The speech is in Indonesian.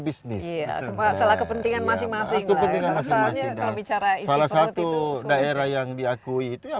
bisnis masalah kepentingan masing masing masalahnya kalau bicara salah satu daerah yang diakui itu ya